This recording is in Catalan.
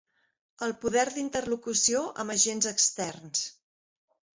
El poder d'interlocució amb agents externs.